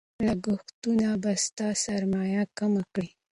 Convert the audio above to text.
لګښتونه به ستا سرمایه کمه کړي.